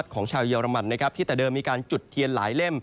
ของชาวเยอรมันนะครับที่แต่เดิมมีการจุดเทียนหลายเล่ม